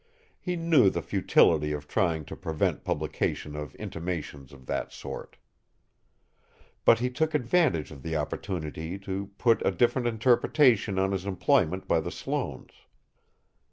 He knew the futility of trying to prevent publication of intimations of that sort. But he took advantage of the opportunity to put a different interpretation on his employment by the Sloanes.